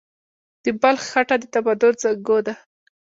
د بلخ خټه د تمدن زانګو ده.